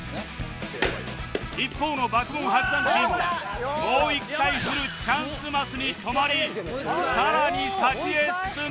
一方の爆問・伯山チームはもう１回振るチャンスマスに止まりさらに先へ進む